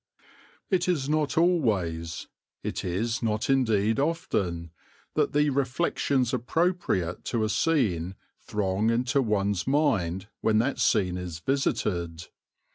It is not always, it is not indeed often, that the reflections appropriate to a scene throng into one's mind when that scene is visited.